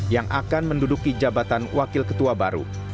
yang akan menduduki jabatan wakil ketua baru